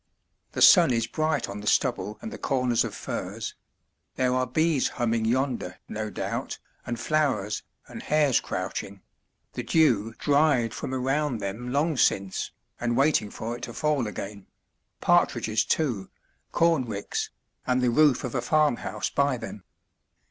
The sun is bright on the stubble and the corners of furze; there are bees humming yonder, no doubt, and flowers, and hares crouching the dew dried from around them long since, and waiting for it to fall again; partridges, too, corn ricks, and the roof of a farmhouse by them.